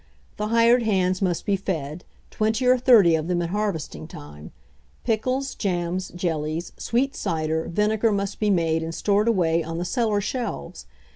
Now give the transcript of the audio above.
The hired hands must be fed — twenty or thirty of them in harvesting time; pickles, jams, jellies, sweet cider, vinegar must be made and stored away on the cellar shelves.